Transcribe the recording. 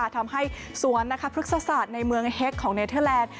ทำให้สวนพฤกษศาสตร์ในเมืองเฮ็กของเนเทอร์แลนด์